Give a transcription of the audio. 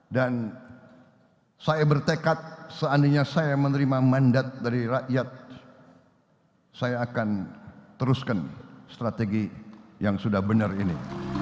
dan saya bertekad seandainya saya menerima mandat dari rakyat saya akan teruskan strategi yang sudah benar ini